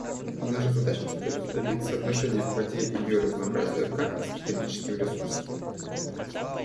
Наша задача теперь — добиться отношения к воде и биоразнообразию как к стратегическим ресурсам.